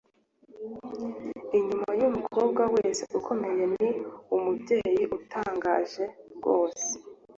“inyuma y'umukobwa wese ukomeye ni umubyeyi utangaje rwose.